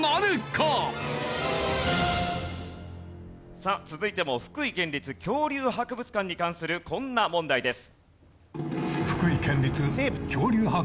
さあ続いても福井県立恐竜博物館に関するこんな問題です。